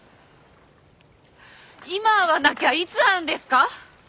今会わなきゃいつ会うんですか？